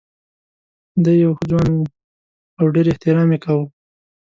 دی یو ښه ځوان و او ډېر احترام یې کاوه.